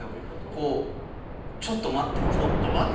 こう、ちょっと待って。